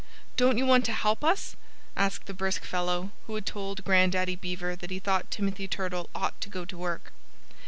"Don't you want to help us?" asked the brisk fellow who had told Grandaddy Beaver that he thought Timothy Turtle ought to go to work.